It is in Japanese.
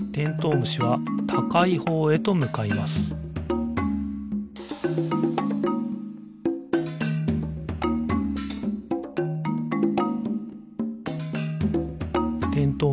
むしはたかいほうへとむかいますてんとう